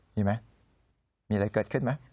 มีไหมมีอะไรเกิดขึ้นไหม